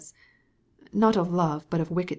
not of love, but of sins